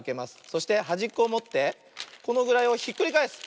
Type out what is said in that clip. そしてはじっこをもってこのぐらいをひっくりがえす。